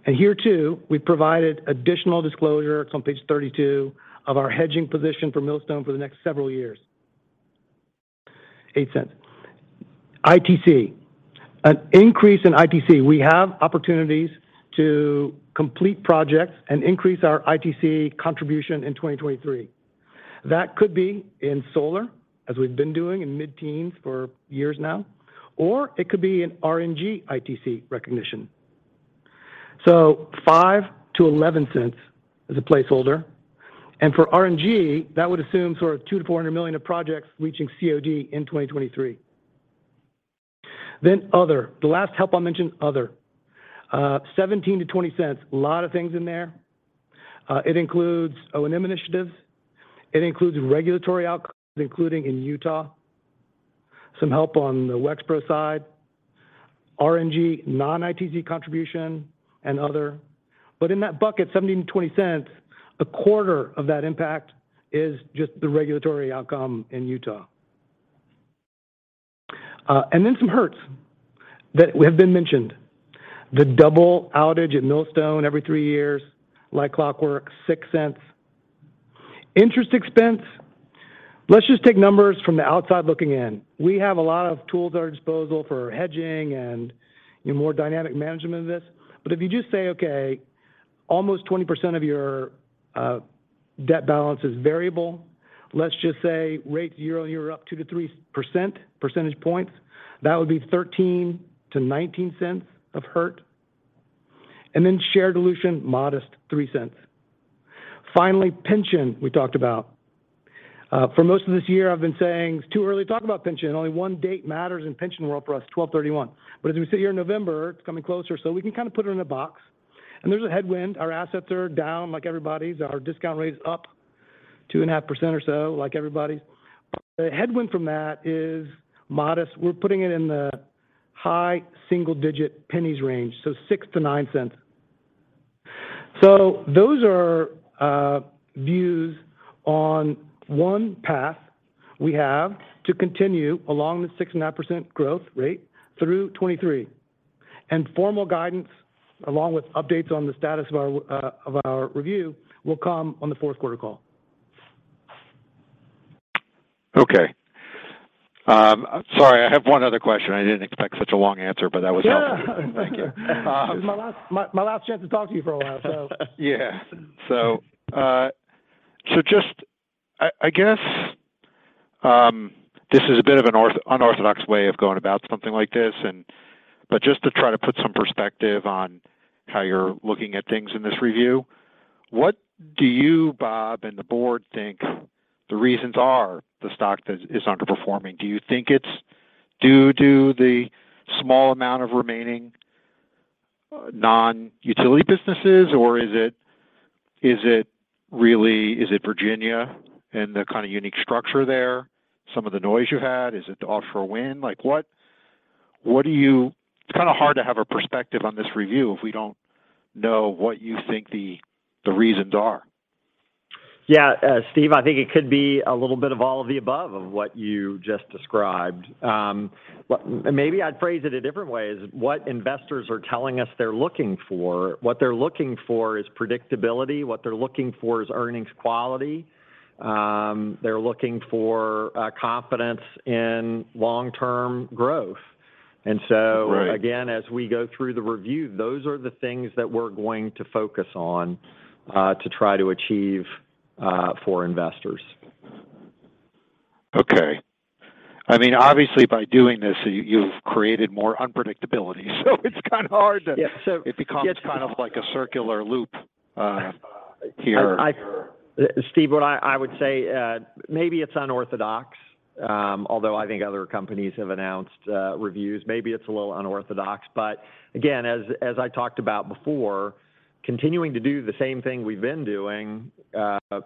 Speaker 4: Here too, we've provided additional disclosure on page 32 of our hedging position for Millstone for the next several years. $0.08. ITC, an increase in ITC. We have opportunities to complete projects and increase our ITC contribution in 2023. That could be in solar as we've been doing in mid-teens for years now, or it could be an RNG ITC recognition. $0.05-$0.11 as a placeholder. For RNG, that would assume sort of $200 million-$400 million of projects reaching COD in 2023. The last bucket I'll mention, other. $0.17-$0.20. A lot of things in there. It includes O&M initiatives. It includes regulatory outcomes, including in Utah, some help on the Wexpro side, RNG, non-ITC contribution, and other. In that bucket, $0.17-$0.20, a quarter of that impact is just the regulatory outcome in Utah. Some headwinds that have been mentioned. The double outage at Millstone every three years, like clockwork, $0.06. Interest expense, let's just take numbers from the outside looking in. We have a lot of tools at our disposal for hedging and more dynamic management of this. If you just say, okay, almost 20% of your debt balance is variable. Let's just say rates year-over-year are up 2-3 percentage points. That would be $0.13-$0.19 of hurt. Then share dilution, modest $0.03. Finally, pension, we talked about. For most of this year, I've been saying it's too early to talk about pension. Only one date matters in pension world for us, 12/31. As we sit here in November, it's coming closer, so we can kind of put it in a box. There's a headwind. Our assets are down like everybody's. Our discount rate is up 2.5% or so like everybody's. The headwind from that is modest. We're putting it in the high-single-digit pennies range, so $0.06-$0.09. Those are views on one path we have to continue along the 6.5% growth rate through 2023. Formal guidance, along with updates on the status of our review, will come on the fourth quarter call.
Speaker 8: Okay. Sorry, I have one other question. I didn't expect such a long answer, but that was helpful.
Speaker 4: Yeah. Thank you.
Speaker 8: Um-
Speaker 4: This is my last chance to talk to you for a while, so.
Speaker 8: Yeah. Just, I guess, this is a bit of an unorthodox way of going about something like this, but just to try to put some perspective on how you're looking at things in this review. What do you, Bob, and the board think the reasons are the stock is underperforming? Do you think it's due to the small amount of remaining non-utility businesses or is it really Virginia and the kind of unique structure there? Some of the noise you had, is it the offshore wind? Like, what do you. It's kind of hard to have a perspective on this review if we don't know what you think the reasons are.
Speaker 3: Yeah. Steve, I think it could be a little bit of all of the above of what you just described. Maybe I'd phrase it a different way is what investors are telling us they're looking for. What they're looking for is predictability. What they're looking for is earnings quality. They're looking for confidence in long-term growth.
Speaker 8: Right
Speaker 3: Again, as we go through the review, those are the things that we're going to focus on, to try to achieve, for investors.
Speaker 8: Okay. I mean, obviously by doing this you've created more unpredictability, so it's kind of hard to.
Speaker 3: Yeah.
Speaker 8: It becomes kind of like a circular loop, here.
Speaker 3: Steve, what I would say, maybe it's unorthodox, although I think other companies have announced reviews. Maybe it's a little unorthodox. Again, as I talked about before, continuing to do the same thing we've been doing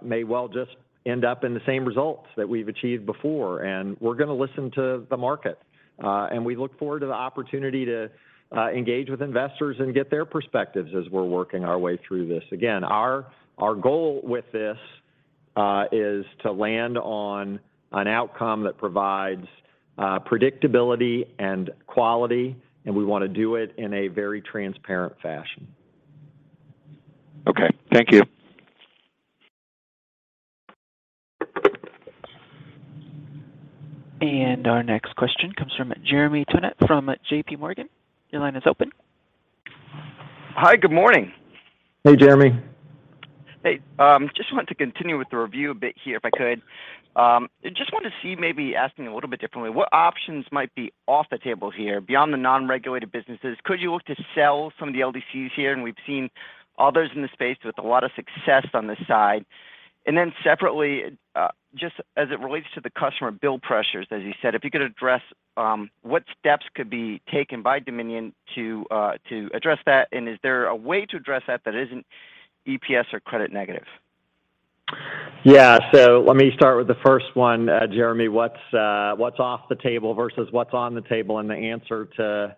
Speaker 3: may well just end up in the same results that we've achieved before. We're gonna listen to the market. We look forward to the opportunity to engage with investors and get their perspectives as we're working our way through this. Again, our goal with this is to land on an outcome that provides predictability and quality, and we want to do it in a very transparent fashion.
Speaker 8: Okay. Thank you.
Speaker 1: Our next question comes from Jeremy Tonet from JPMorgan. Your line is open.
Speaker 9: Hi, good morning.
Speaker 3: Hey, Jeremy.
Speaker 9: Hey. Just want to continue with the review a bit here, if I could. Just wanted to see, maybe asking a little bit differently, what options might be off the table here beyond the non-regulated businesses. Could you look to sell some of the LDCs here? We've seen others in the space with a lot of success on this side. Separately, just as it relates to the customer bill pressures, as you said, if you could address what steps could be taken by Dominion to address that? Is there a way to address that that isn't EPS or credit negative?
Speaker 3: Yeah. Let me start with the first one, Jeremy. What's off the table versus what's on the table? The answer to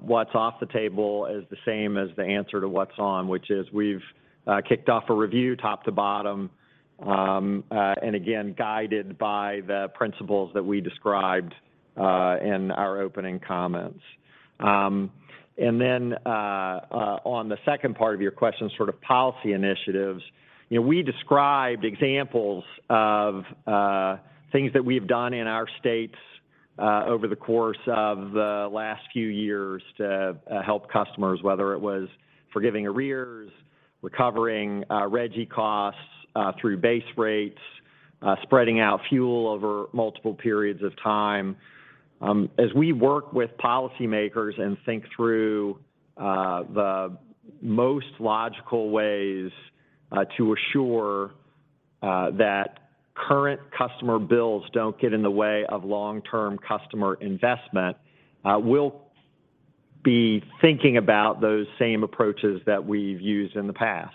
Speaker 3: what's off the table is the same as the answer to what's on, which is we've kicked off a review top to bottom, and again, guided by the principles that we described in our opening comments. On the second part of your question, sort of policy initiatives, you know, we described examples of things that we've done in our states over the course of the last few years to help customers, whether it was forgiving arrears, recovering RGGI costs through base rates, spreading out fuel over multiple periods of time. As we work with policymakers and think through the most logical ways to assure that current customer bills don't get in the way of long-term customer investment, we'll be thinking about those same approaches that we've used in the past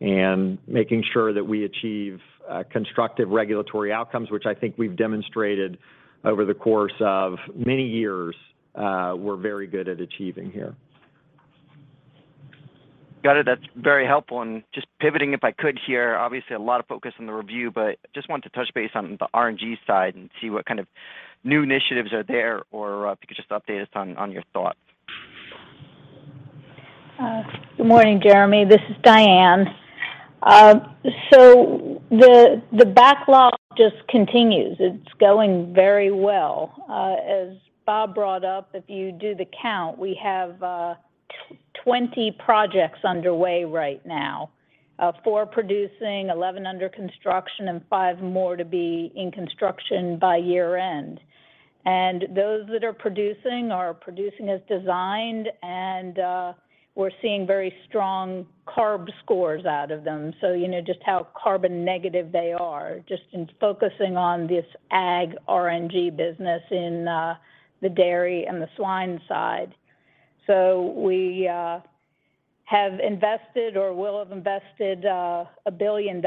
Speaker 3: and making sure that we achieve constructive regulatory outcomes, which I think we've demonstrated over the course of many years, we're very good at achieving here.
Speaker 9: Got it. That's very helpful. Just pivoting, if I could here, obviously a lot of focus on the review, but just wanted to touch base on the RNG side and see what kind of new initiatives are there, or if you could just update us on your thoughts.
Speaker 7: Good morning, Jeremy, this is Diane. The backlog just continues. It's going very well. As Bob brought up, if you do the count, we have 20 projects underway right now. Four producing, 11 under construction, and five more to be in construction by year-end. Those that are producing are producing as designed, and we're seeing very strong CARB scores out of them. You know just how carbon negative they are, just in focusing on this ag RNG business in the dairy and the swine side. We have invested or will have invested $1 billion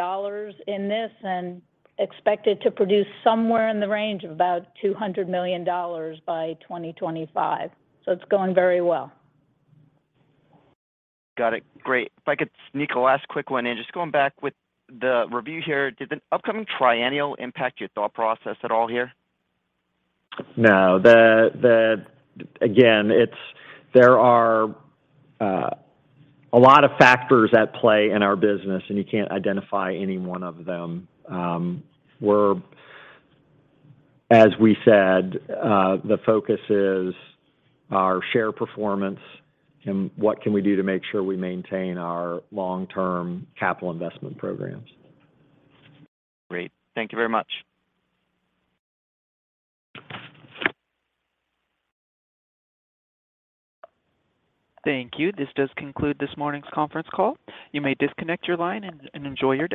Speaker 7: in this and expect it to produce somewhere in the range of about $200 million by 2025. It's going very well.
Speaker 9: Got it. Great. If I could sneak a last quick one in. Just going back to the review here, did the upcoming triennial impact your thought process at all here?
Speaker 3: No. Again, it's there are a lot of factors at play in our business, and you can't identify any one of them. We're, as we said, the focus is our share performance and what can we do to make sure we maintain our long-term capital investment programs.
Speaker 9: Great. Thank you very much.
Speaker 1: Thank you. This does conclude this morning's conference call. You may disconnect your line and enjoy your day.